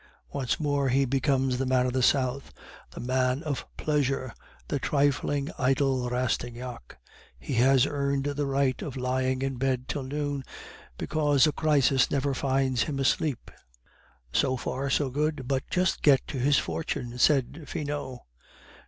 Once more he becomes the man of the South, the man of pleasure, the trifling, idle Rastignac. He has earned the right of lying in bed till noon because a crisis never finds him asleep." "So far so good, but just get to his fortune," said Finot.